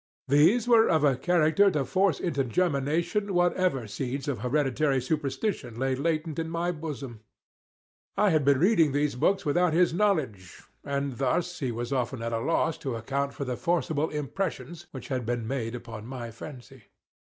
These were of a character to force into germination whatever seeds of hereditary superstition lay latent in my bosom. I had been reading these books without his knowledge, and thus he was often at a loss to account for the forcible impressions which had been made upon my fancy.